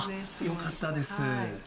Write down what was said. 良かったです。